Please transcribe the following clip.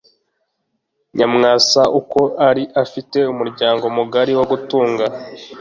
Nyamwasa uko ari, afite umuryango mugari wo gutunga.